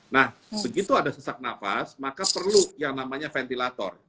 nah begitu ada sesak nafas maka perlu yang namanya ventilator